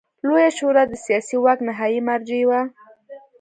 لویه شورا د سیاسي واک نهايي مرجع وه.